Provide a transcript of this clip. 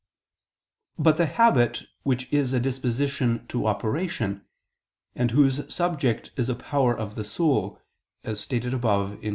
But the habit which is a disposition to operation, and whose subject is a power of the soul, as stated above (Q.